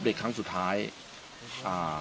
แล้วก็ก่อนจบตัวไปก็สบายแน่ใจเลยนะครับ